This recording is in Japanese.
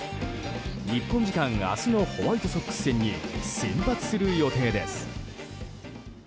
日本時間明日のホワイトソックス戦に先発する予定です。